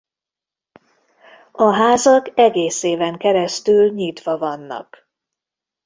A házak egész éven keresztül nyitva vannak.